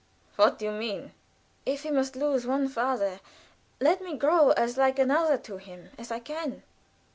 "What do you mean?" "If he must lose one father, let me grow as like another to him as I can."